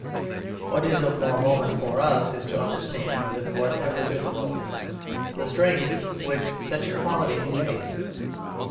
What is of more moment for us is to understand, with whatever difficulty, the strength which such a quality conveys.